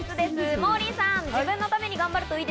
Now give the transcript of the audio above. モーリーさん。